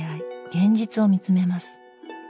現実を見つめます。